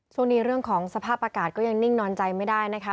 ช่วงนี้เรื่องของสภาพอากาศก็ยังนิ่งนอนใจไม่ได้นะคะ